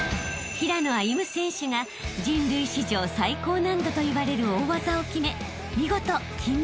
［平野歩夢選手が人類史上最高難度といわれる大技を決め見事金メダルを獲得］